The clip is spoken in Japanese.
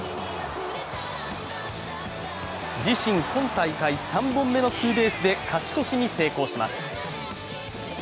自身、今大会３本目のツーベースで勝ち越しに成功します。